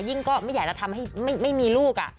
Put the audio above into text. ก็ไม่อยากจะทำให้ไม่มีลูก